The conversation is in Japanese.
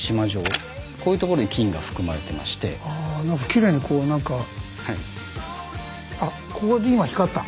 きれいにこう何かあっここで今光った！